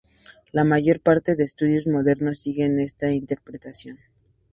La mayor parte de estudios modernos siguen esta interpretación.